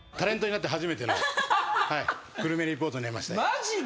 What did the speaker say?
マジで？